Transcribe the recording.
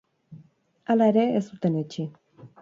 Hala ere, ez zuten etsi.